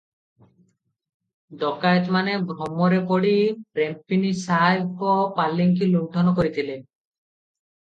ଡକାଏତମାନେ ଭ୍ରମରେ ପଡି ରେମ୍ପିନି ସାହେବଙ୍କ ପାଲିଙ୍କି ଲୁଣ୍ଠନ କରିଥିଲେ ।